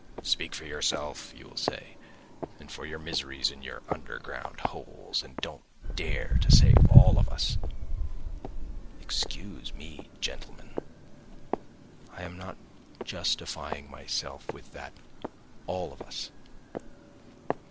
Speak for yourself, you will say, and for your miseries in your underground holes, and don't dare to say all of us—excuse me, gentlemen, I am not justifying myself with that "all of us."